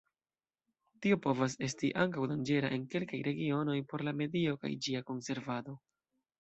Tio povas esti ankaŭ danĝera en kelkaj regionoj por la medio kaj ĝia konservado.